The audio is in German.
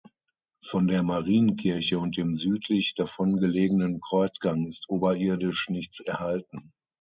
Von der Marienkirche und dem südlich davon gelegenen Kreuzgang ist oberirdisch nichts erhalten.